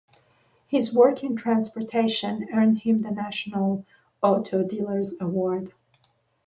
His work in transportation earned him the National Auto Dealers' Award.